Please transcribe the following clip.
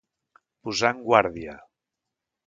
Posar en guàrdia.